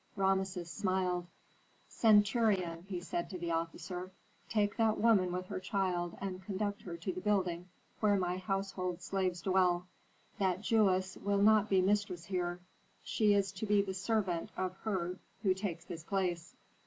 Rameses smiled. "Centurion," said he to the officer, "take that woman with her child and conduct her to the building where my household slaves dwell. That Jewess will not be mistress here; she is to be the servant of her who takes this place.